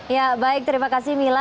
ya baik terima kasih mila